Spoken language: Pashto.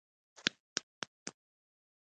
ښوونځی ماشومانو ته د ځان ساتنې مهارتونه ورزده کوي.